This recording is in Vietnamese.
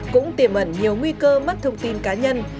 cũng tiềm ẩn nhiều nguy cơ mất thông tin cá nhân